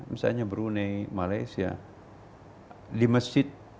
teksnya misalnya brunei malaysia di masjid istiqlah misalnya